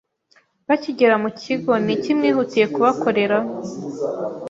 Bakigera mu kigo n’iki mwihutiye kubakorera ?